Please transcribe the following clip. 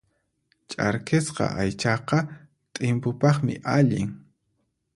Ch'arkisqa aychaqa t'impupaqmi allin.